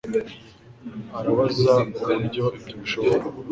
Arabaza uburyo ibyo bishoboka